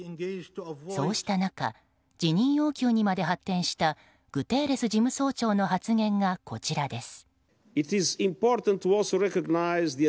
そうした中辞任要求にまで発展したグテーレス事務総長の発言がこちらです。